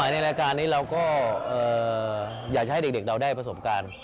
ในรายการนี้เราก็อยากจะให้เด็กเราได้ประสบการณ์